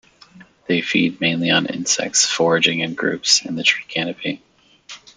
They feed mainly on insects, foraging in groups in the tree canopy.